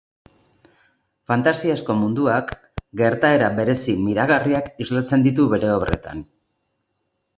Fantasiazko munduak, gertaera berezi miragarriak islatzen ditu bere obretan.